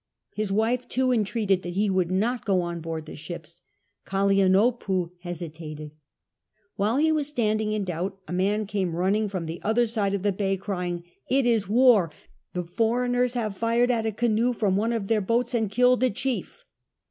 His wife, too, entreated that he would not go on board the ships. Kalaniopuu hesitated. While he was standing in doubt a man came running from the other side of tlie bay crying, It is war. The foreigners have fired at a canoe from one of their boats and killed a chief